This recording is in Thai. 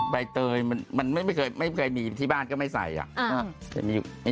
ใบเตยมันไม่เคยมีที่บ้านก็ไม่ใส่